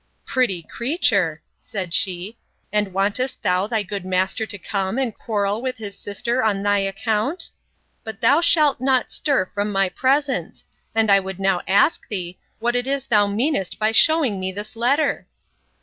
—Pretty creature, said she; and wantest thou thy good master to come, and quarrel with his sister on thy account?—But thou shalt not stir from my presence; and I would now ask thee, What it is thou meanest by shewing me this letter?